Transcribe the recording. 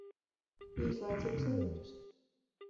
Īslaicīgs lietus.